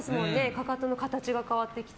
かかとの形が変わってきて。